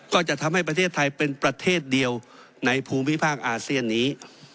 ก็จะทำให้ประเทศไทยเป็นประเทศเดียวในภูมิภาคอาเซียนนี้